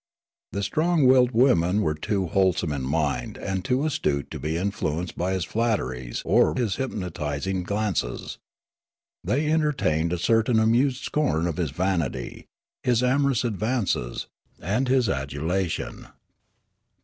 The strong willed women were too wholesome in mind and too astute to be influenced by his flatteries or his hypnotis ing glances. They entertained a certain amused scorn of his vanity, his amorous advances, and his adulation.